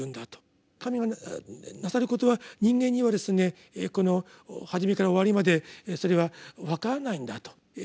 神がなさることは人間にはですねこの始めから終わりまでそれは分からないんだと。